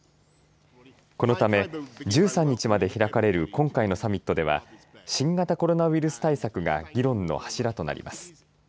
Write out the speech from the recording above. このため１３日まで開かれる今回のサミットでは新型コロナウイルス対策が議論の柱となります。